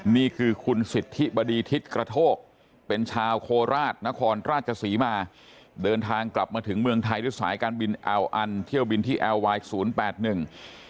นี่คือคุณสิทธิบดีทิศกระโทกเป็นชาวโคราชนครราชศรีมาเดินทางกลับมาถึงเมืองไทยด้วยสายการบินอัลอันเที่ยวบินที่แอลวายศูนย์แปดหนึ่ง